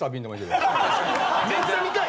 めっちゃ見たい！